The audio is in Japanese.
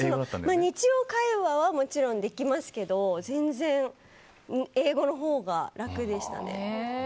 日常会話はもちろんできますけど全然、英語のほうが楽でしたね。